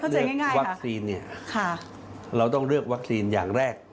เลือกวัคซีนเนี่ยเราต้องเลือกวัคซีนอย่างแรก